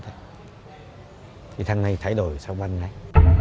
đầu tánh hai ba ngày